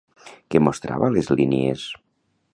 Què mostrava les línies?